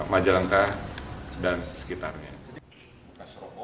majalengka dan sesekitarnya